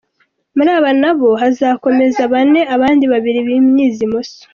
Muri aba nabo hakazakomeza bane abandi babiri bimyize imoso.